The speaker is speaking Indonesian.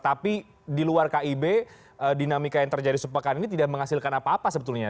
tapi di luar kib dinamika yang terjadi sepekan ini tidak menghasilkan apa apa sebetulnya